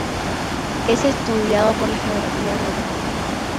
Es estudiado por la geografía rural.